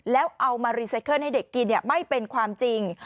แล้วเอามารีไซเคิลให้เด็กกินไม่เป็นความจริง